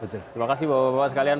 betul terima kasih bapak bapak sekalian